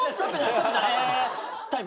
タイム。